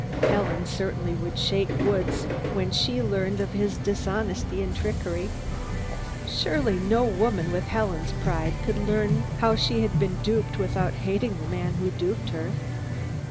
Helen certainly would shake Woods when she learned of his dishonesty and trickery. Surely, no woman with Helen's pride could learn how she had been duped without hating the man who duped her.